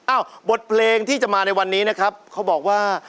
บทเพลงที่จะมาในวันนี้นะครับเขาบอกว่า